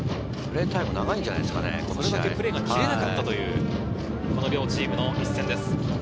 それだけプレーが切れなかったという両チームの一戦です。